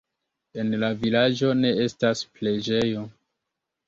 En la vilaĝo ne estas preĝejo.